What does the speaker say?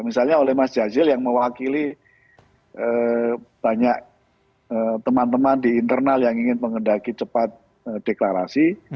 misalnya oleh mas jazil yang mewakili banyak teman teman di internal yang ingin mengendaki cepat deklarasi